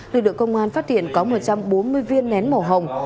lực lượng công an phát hiện có một trăm bốn mươi viên nén màu hồng